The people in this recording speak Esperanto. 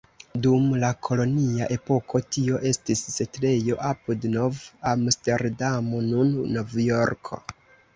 Dum la kolonia epoko tio estis setlejo apud Nov-Amsterdamo, nun Novjorko.